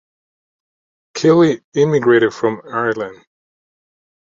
Quealy immigrated from Ireland.